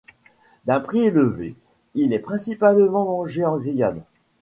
D'un prix élevé, il est principalement mangé en grillade.